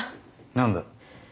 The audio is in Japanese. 何だ？